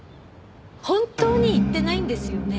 本当に行ってないんですよね？